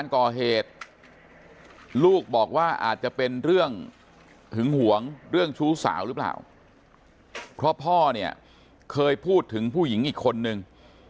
ชู้สาวหรือเปล่าเพราะพ่อเนี่ยเคยพูดถึงผู้หญิงอีกคนนึง